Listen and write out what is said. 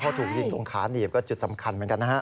พอถูกยิงตรงขาหนีบก็จุดสำคัญเหมือนกันนะฮะ